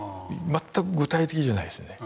全く具体的じゃないですよね。